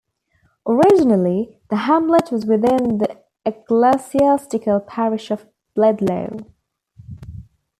Originally the hamlet was within the ecclesiastical parish of Bledlow.